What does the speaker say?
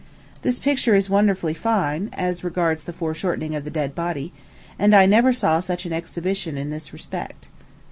This picture is wonderfully fine, as regards the foreshortening of the dead body; and I never saw such an exhibition in this respect.